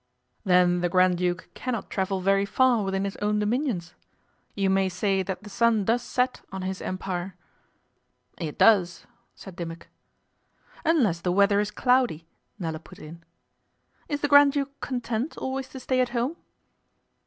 'Then the Grand Duke cannot travel very far within his own dominions? You may say that the sun does set on his empire?' 'It does,' said Dimmock. 'Unless the weather is cloudy,' Nella put in. 'Is the Grand Duke content always to stay at home?